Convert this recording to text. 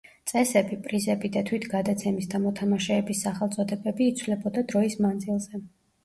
წესები, პრიზები, და თვით გადაცემის და მოთამაშეების სახელწოდებები იცვლებოდა დროის მანძილზე.